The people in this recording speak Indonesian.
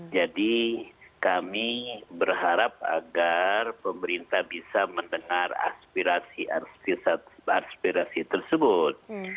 jadi kami berharap agar pemerintah bisa mendengar aspirasi aspirasi tersebut